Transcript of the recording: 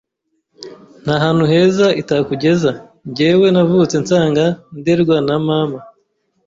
nta hantu heza itakugeza; njyewe navutse nsanga nderwa na Maman